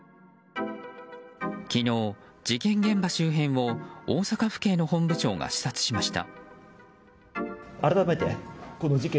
昨日、事件現場周辺を大阪府警の本部長が視察しました。